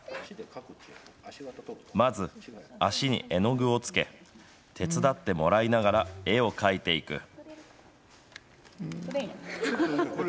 まず、足に絵の具を付け、手伝ってもらいながら絵を描いていく。